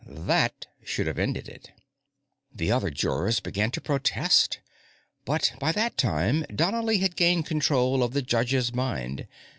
That should have ended it. The other jurors began to protest, but by that time, Donnely had gained control of the judge's mind.